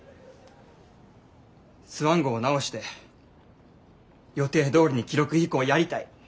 スワン号を直して予定どおりに記録飛行やりたい。